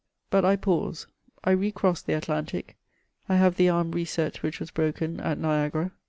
But I pause — I re cross the Atlantic — I have the arm reset which was broken at Niagara.